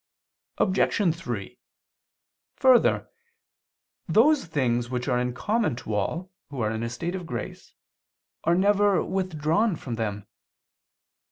Obj. 3: Further, those things which are common to all who are in a state of grace, are never withdrawn from them.